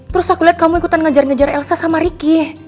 terus aku liat kamu ikutan ngajar ngejar elsa sama ricky